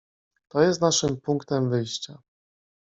"To jest naszym punktem wyjścia."